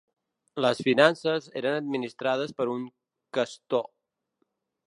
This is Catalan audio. Les finances eren administrades per un questor.